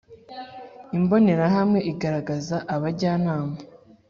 imbonerahamwe igaragaza abajyanama